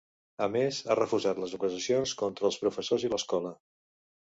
A més, ha refusat les acusacions contra els professors i l’escola.